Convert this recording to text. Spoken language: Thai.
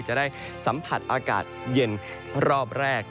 จะได้สัมผัสอากาศเย็นรอบแรก